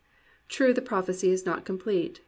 True, the prophecy is not complete.